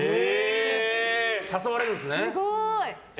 誘われるんですね。